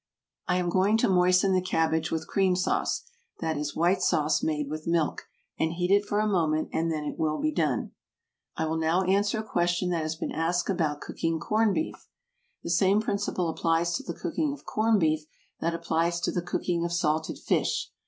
I am going to moisten the cabbage with cream sauce, that is white sauce made with milk, and heat it for a moment and then it will be done. I will now answer a question that has been asked about cooking corned beef. The same principle applies to the cooking of corned beef that applies to the cooking of salted fish.